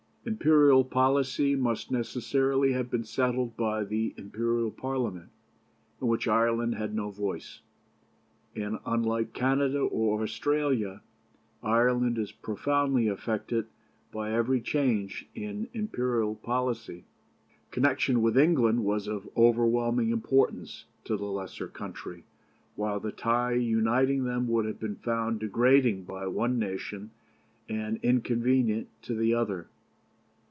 Imperial policy must necessarily have been settled by the Imperial Parliament, in which Ireland had no voice; and, unlike Canada or Australia, Ireland is profoundly affected by every change of Imperial policy. Connection with England was of overwhelming importance to the lesser country, while the tie uniting them would have been found degrading by one nation and inconvenient to the other.